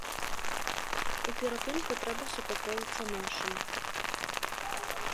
У перапынку трэба супакоіцца нашым.